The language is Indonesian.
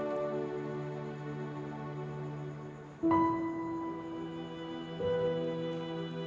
pesek air papi